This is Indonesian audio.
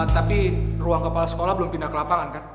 tapi ruang kepala sekolah belum pindah ke lapangan kan